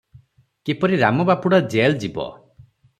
କିପରି ରାମ ବାପୁଡା ଜେଲ ଯିବ